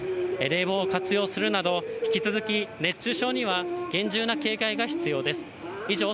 冷房を活用するなど、引き続き熱中症には厳重な警戒が必要です。